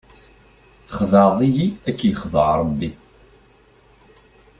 Texdeɛḍ-iyi ad k-yexdeɛ rebbi!